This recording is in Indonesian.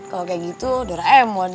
kalau kayak gitu doraemon